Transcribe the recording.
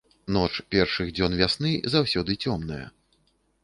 Ноч першых дзён вясны заўсёды цёмная.